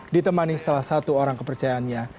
ditemani salah satu orang kepercayaannya